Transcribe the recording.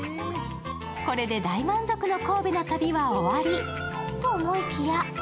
これで大満足の神戸の旅は終わりと思いきや。